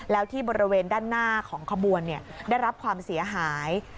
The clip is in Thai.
แล้วที่บริเวณด้านหน้าของขบวนได้รับความเสียหาย